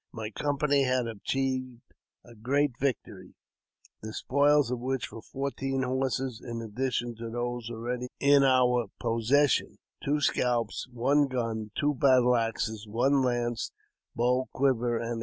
My company had achieved a great victory, the spoils of which were fourteen horses in addition to those already in our possession, two scalps, one gun, two battle axes, one lance, bow, quiver, &c.